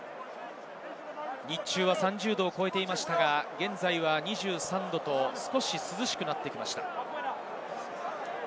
日中は３０度を超えていましたが現在は２３度と少し涼しくなってきました。